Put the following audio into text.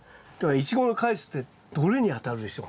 イチゴの果実ってどれに当たるでしょう？